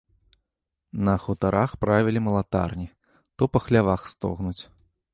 На хутарах правілі малатарні, то па хлявах стогнуць.